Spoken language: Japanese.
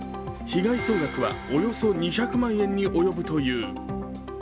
被害総額はおよそ２００万円に及ぶという。